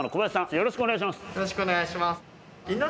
よろしくお願いします！